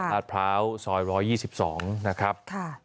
พร้าวซอย๑๒๒นะครับ